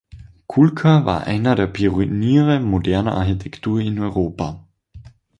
Kulka war einer der Pioniere moderner Architektur in Europa.